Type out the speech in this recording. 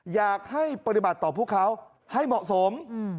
อยากให้ปฏิบัติต่อพวกเขาให้เหมาะสม